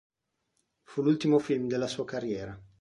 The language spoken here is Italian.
Fu l'ultimo film della sua carriera.